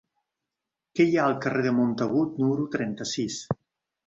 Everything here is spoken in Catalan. Què hi ha al carrer de Montagut número trenta-sis?